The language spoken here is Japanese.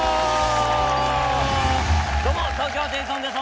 どうも東京ホテイソンです。